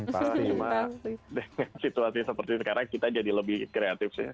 pak cuma dengan situasi seperti sekarang kita jadi lebih kreatif sih